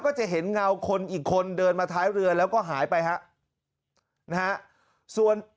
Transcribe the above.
ก็จะเห็นเงาคนอีกคนเดินมาท้ายเรือแล้วก็หายไปฮะนะฮะส่วน